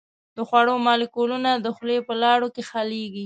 د خوړو مالیکولونه د خولې په لاړو کې حلیږي.